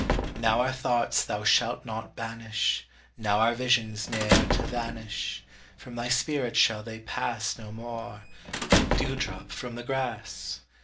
Now are thoughts thou shalt not banish, Now are visions ne'er to vanish; From thy spirit shall they pass No more, like dew drop from the grass.